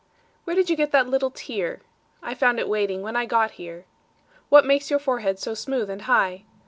Where did you get that little tear?I found it waiting when I got here. What makes your forehead so smooth and high?